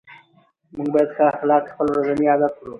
موږ باید ښه اخلاق خپل ورځني عادت کړو